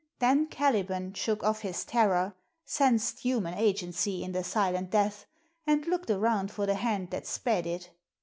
Then Caliban shook off his terror, sensed human agency in the silent death, and looked around for the hand that sped it.